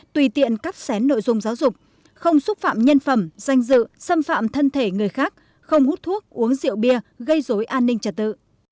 tùy tiện cắp xén nội dung giáo dục không xúc phạm nhân phẩm danh dự xâm phạm thân thể người khác không hút thuốc uống rượu bia gây dối an ninh trật tự